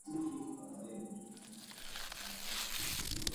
imeanza kibarua chake hii leo ili kupata ukweli juu ya mauaji hayo